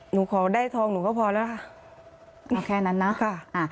หนูขอได้ทองหนูก็พอแล้วค่ะนี่แค่นั้นนะค่ะ